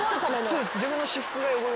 そうです。